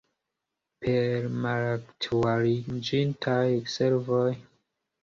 Per malaktualiĝintaj servoj?